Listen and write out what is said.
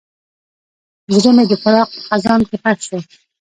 زړه مې د فراق په خزان کې ښخ شو.